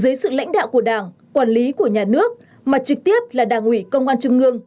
dưới sự lãnh đạo của đảng quản lý của nhà nước mà trực tiếp là đảng ủy công an trung ương